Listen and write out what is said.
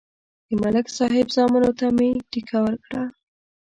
د ملک صاحب زامنو ته مې ټېکه ورکړه